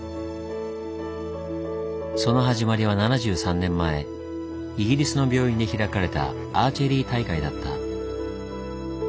その始まりは７３年前イギリスの病院で開かれたアーチェリー大会だった。